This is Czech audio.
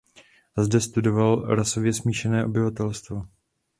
Zde studoval rasově smíšené obyvatelstvo.